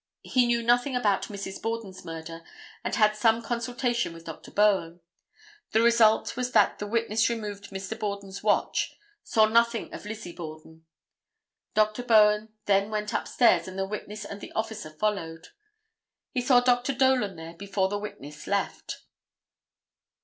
He knew nothing about Mrs. Borden's murder and had some consultation with Dr. Bowen. The result was that the witness removed Mr. Borden's watch. Saw nothing of Lizzie Borden. Dr. Bowen then went upstairs and the witness and the officer followed. He saw Dr. Dolan there before the witness left.